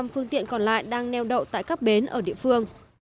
bốn bảy trăm năm mươi năm phương tiện còn lại đang neo đậu tại các bến ở địa phương